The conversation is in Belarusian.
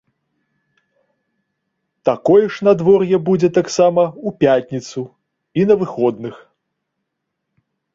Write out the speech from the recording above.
Такое ж надвор'е будзе таксама ў пятніцу і на выходных.